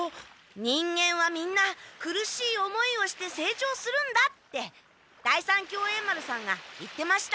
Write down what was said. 人間はみんな苦しい思いをして成長するんだって第三協栄丸さんが言ってました。